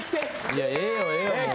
いやええよええよ。